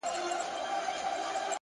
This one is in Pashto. صبر د وخت احترام دی!